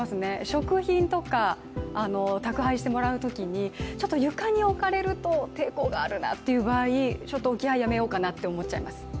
食品とか宅配してもらうときにちょっと床に置かれると抵抗があるなという場合、ちょっと置き配やめようかなって思っちゃいます。